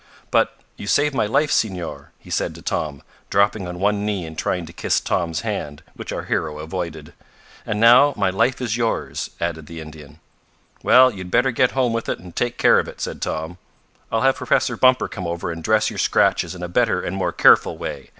"But you saved my life, Senor," he said to Tom, dropping on one knee and trying to kiss Tom's hand, which our hero avoided. "And now my life is yours," added the Indian. "Well, you'd better get home with it and take care of it," said Tom. "I'll have Professor Bumper come over and dress your scratches in a better and more careful way.